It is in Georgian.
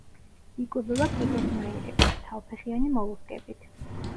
იკვებება კიბოსნაირებით, თავფეხიანი მოლუსკებით.